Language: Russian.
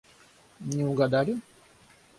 Не угадали?